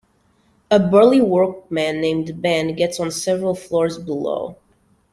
A burly workman named Ben gets on several floors below.